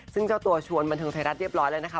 ซึ่งเจ้าตัวชวนบันเทิงไทยรัฐเรียบร้อยแล้วนะคะ